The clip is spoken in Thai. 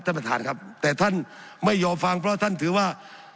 ท่านประธานครับแต่ท่านไม่ยอมฟังเพราะท่านถือว่า